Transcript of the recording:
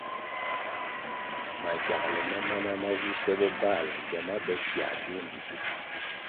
Magyāle ma mana ma wuse bobvāla gyama be tiā duo mbpi duo.